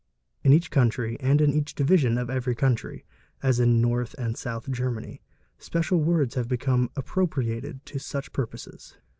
_ In each country, and in each division of every country (as in North and South Germany), special words have become appropriated to such 'purposes.